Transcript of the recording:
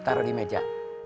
taruh di meja